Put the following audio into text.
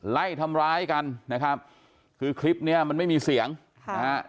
ไล่ทำร้ายกันนะครับคือคลิปเนี้ยมันไม่มีเสียงค่ะนะฮะ